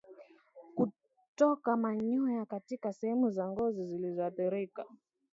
Kutoka manyoya katika sehemu za ngozi zilizoathirika